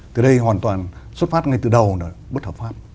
từ đây hoàn toàn xuất phát ngay từ đầu là bất hợp pháp